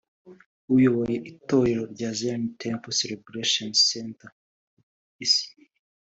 uyoboye itorero rya Zion Temple Celebration Centre ku isi